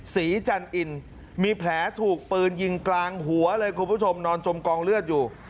จันอินมีแผลถูกปืนยิงกลางหัวเลยคุณผู้ชมนอนจมกองเลือดอยู่